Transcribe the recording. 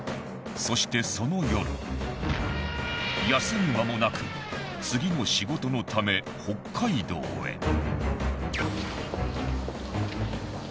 そしてその夜休む間もなく次の仕事のため北海道へ。